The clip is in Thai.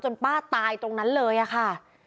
ป้าตายตรงนั้นเลยค่ะ